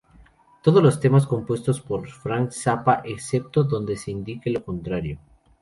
Todos los temas compuestos por Frank Zappa, excepto donde se indique lo contrario.